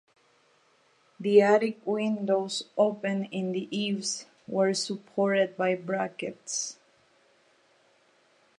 The attic windows opened in the eaves were supported by brackets.